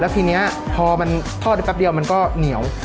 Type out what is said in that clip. ทีนี้พอมันทอดได้แป๊บเดียวมันก็เหนียว